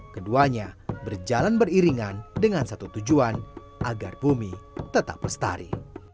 keduanya berjalan beriringan dengan satu tujuan agar bumi tetap lestari